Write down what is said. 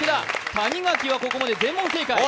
谷垣はここまで全問正解。